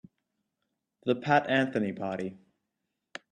The Pat Anthony Party.